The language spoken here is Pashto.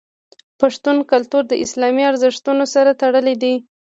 پښتون کلتور د اسلامي ارزښتونو سره تړلی دی.